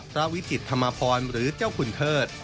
วิจิตธรรมพรหรือเจ้าคุณเทิด